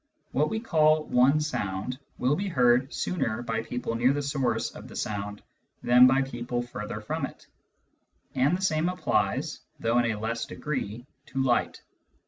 What we call one sound will be heard sooner by people near the source of the sound than by people further from it, and the same applies, though in a less degree, to light.